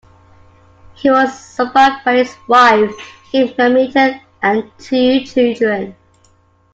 He was survived by his wife Kim Hamilton and two children.